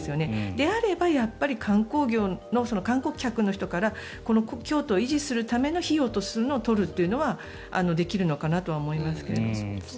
であれば観光客の人から京都を維持するための費用を取るというのはできるのかなとは思いますけど。